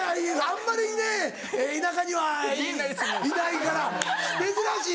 あんまりね田舎には。いないです。